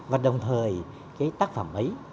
và đồng thời cái tác phẩm ấy